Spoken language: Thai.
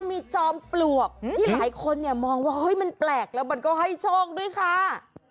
มีจอมปลวกที่หลายคนเนี่ยมองว่าเฮ้ยมันแปลกแล้วมันก็ให้โชคด้วยค่ะ